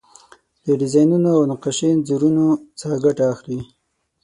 د ډیزاینونو او نقاشۍ انځورونو څخه ګټه اخلي.